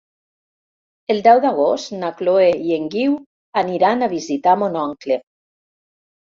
El deu d'agost na Chloé i en Guiu aniran a visitar mon oncle.